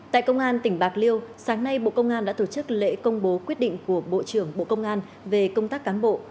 tại công an tỉnh bạc liêu sáng nay bộ công an đã tổ chức lễ công bố quyết định của bộ trưởng bộ công an về công tác cán bộ